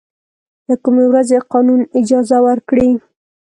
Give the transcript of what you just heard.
له کومې ورځې یې قانوني اجازه ورکړې.